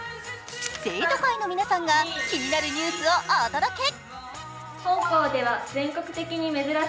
生徒会の皆さんが気になるニュースをお届け。